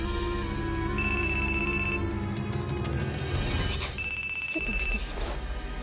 すいませんちょっと失礼します。